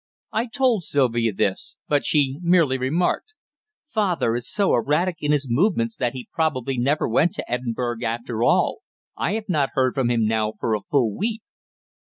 I told Sylvia this. But she merely remarked "Father is so erratic in his movements that he probably never went to Edinburgh, after all. I have not heard from him now for a full week."